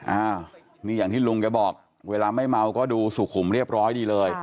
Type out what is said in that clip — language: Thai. อ้าวนี่อย่างที่ลุงแกบอกเวลาไม่เมาก็ดูสุขุมเรียบร้อยดีเลย